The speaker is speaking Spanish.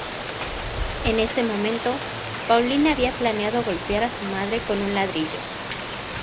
En ese momento, Pauline había planeado golpear a su madre con un ladrillo.